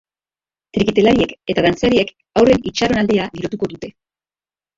Trikitilariek eta dantzariek haurren itxaronaldia girotuko dute.